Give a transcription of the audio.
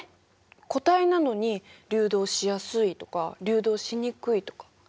固体なのに流動しやすいとか流動しにくいとか。